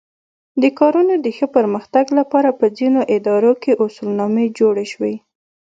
د کارونو د ښه پرمختګ لپاره په ځینو ادارو کې اصولنامې جوړې شوې.